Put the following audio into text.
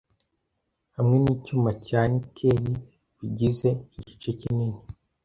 hamwe nicyuma cya nikel bigize igice kinini